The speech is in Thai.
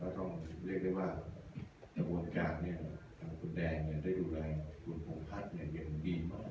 เราต้องเรียกได้ว่างานกลางเนี่ยแล้วคุณแดงเนี่ยได้ยูแลคุณโพงพัทธ์กันทั้งเดียวมานะครับ